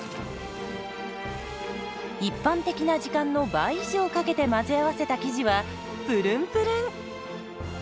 一般的な時間の倍以上かけて混ぜ合わせた生地はプルンプルン。